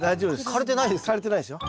枯れてないでしょ。